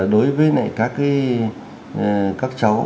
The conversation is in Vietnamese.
đối với các cháu